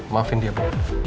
maafin dia bu